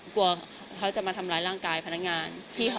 กลัวเขาจะมาทำร้ายร่างกายพนักงาน